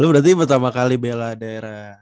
berarti pertama kali bela daerah